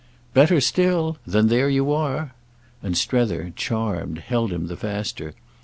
"Better still—then there you are!" And Strether, charmed, held him the faster.